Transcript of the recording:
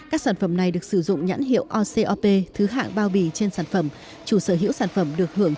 các sản phẩm này được sử dụng nhãn hiệu ocop thứ hạng bao bì trên sản phẩm